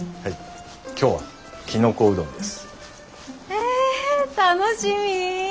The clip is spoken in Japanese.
えっ楽しみ！